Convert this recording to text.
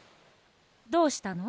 どうしたの？